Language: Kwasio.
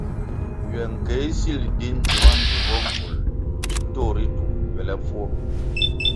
Ywe nkéh sil di ndzima mbvimbo mbvul ndtoh ritu ywelepfuo.